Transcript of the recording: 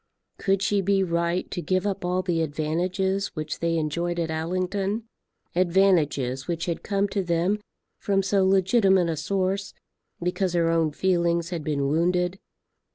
Could she be right to give up all the advantages which they enjoyed at Allington, advantages which had come to them from so legitimate a source, because her own feelings had been wounded?